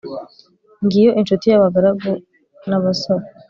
ngiyo inshuti y' ingaragu n' abasore,